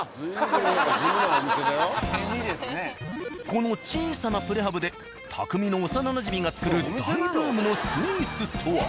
この小さなプレハブでたくみの幼馴染が作る大ブームのスイーツとは？